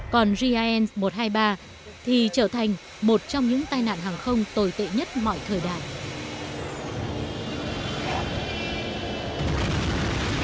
còn gin một trăm hai mươi ba thì trở thành một trong những tai nạn hàng không tồi tệ nhất mọi thời đại